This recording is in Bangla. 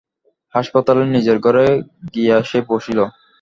হাসপাতালে নিজের ঘরে গিয়া সে বসিল।